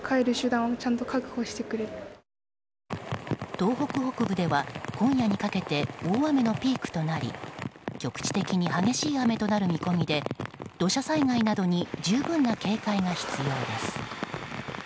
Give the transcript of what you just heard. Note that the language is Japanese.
東北北部では今夜にかけて大雨のピークとなり局地的に激しい雨となる見込みで土砂災害などに十分な警戒が必要です。